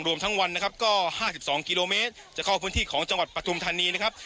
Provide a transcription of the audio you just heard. รวมทั้งวันนะครับก็๕๒กิโลเมตรจะเข้าพื้นที่ของจังหวัดปฐุมธานีนะครับ